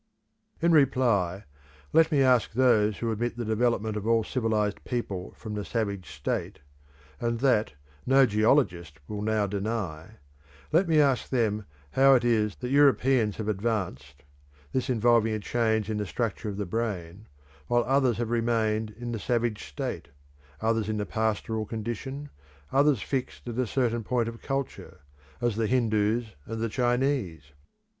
In reply, let me ask those who admit the development of all civilised people from the savage state and that no geologist will now deny; let me ask them how it is that Europeans have advanced (this involving a change in the structure of the brain), while others have remained in the savage state, others in the pastoral condition, others fixed at a certain point of culture, as the Hindus and the Chinese?